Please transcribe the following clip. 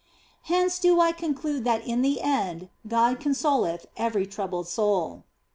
Hence do I conclude that in the end God consoleth every troubled soul.